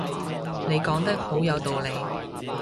你講得好有道理